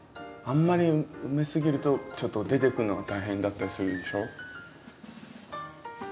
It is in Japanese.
あんまり埋めすぎるとちょっと出てくるのが大変だったりするんでしょ。